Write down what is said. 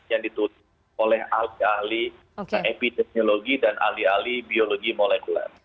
yang ditulis oleh ahli ahli epidemiologi dan ahli ahli biologi molekuler